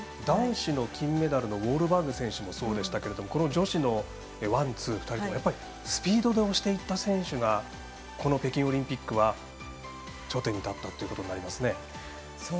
男子の金メダルのウォールバーグ選手もそうでしたけれども女子のワンツー、２人ともやっぱりスピードで押していった選手がこの北京オリンピックは頂点に立ったということになりますね。